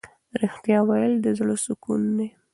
ریښتیا ویل د زړه سکون دی.